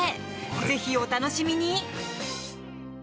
ぜひお楽しみに！